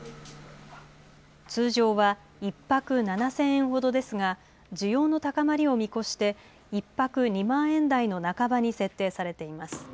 通常は１泊７０００円ほどですが需要の高まりを見越して１泊２万円台の半ばに設定されています。